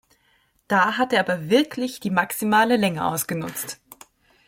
Da hat er aber wirklich die maximale Länge ausgenutzt.